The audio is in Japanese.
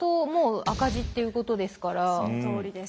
だからそのとおりです。